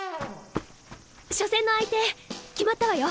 初戦の相手決まったわよ